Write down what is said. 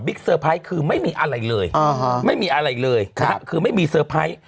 เซอร์ไพรส์คือไม่มีอะไรเลยไม่มีอะไรเลยคือไม่มีเซอร์ไพรส์